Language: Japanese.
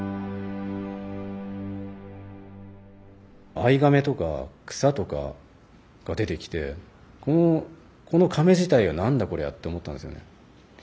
藍甕とか草とかが出てきてこの甕自体が何だこりゃって思ったんですよね。